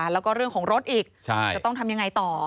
แล้วก็เรื่องของรถอีกจะต้องทำยังไงต่อ